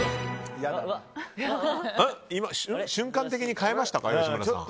今、瞬間的に変えましたか吉村さん。